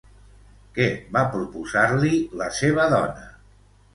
Què va proposar-li la seva dona?